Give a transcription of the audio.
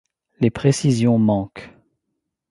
Les précisions manquent.